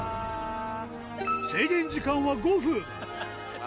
制限時間は５分。